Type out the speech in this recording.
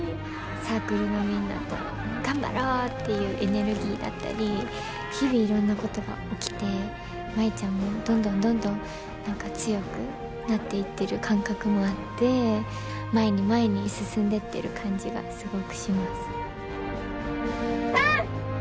サークルのみんなと頑張ろうっていうエネルギーだったり日々いろんなことが起きて舞ちゃんもどんどんどんどん何か強くなっていってる感覚もあって前に前に進んでってる感じがすごくします。